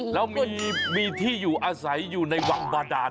แล้วมีที่อยู่อาศัยอยู่ในวังบาดาน